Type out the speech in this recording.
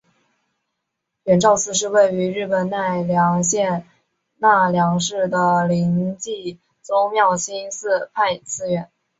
圆照寺是位在日本奈良县奈良市的临济宗妙心寺派寺院。